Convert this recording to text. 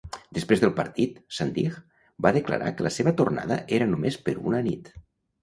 Després del partit, Zandig va declarar que la seva tornada era només per una nit.